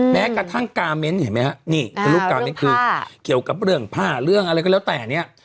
แม้กระทั่งกาเม้นเห็นไหมฮะนี่คือรูปกาเน้นคือเกี่ยวกับเรื่องผ้าเรื่องอะไรก็แล้วแต่เนี่ย